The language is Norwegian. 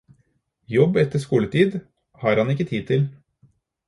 Jobb etter skoletid har han ikke tid til.